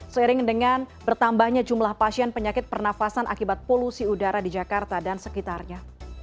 seiring dengan bertambahnya jumlah pasien penyakit pernafasan akibat polusi udara di jakarta dan sekitarnya